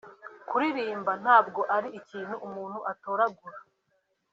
“Kuririmba ntabwo ari ikintu umuntu atoragura